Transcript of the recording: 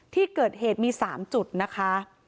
ที่เกิดเหตุมี๓จุดนะคะ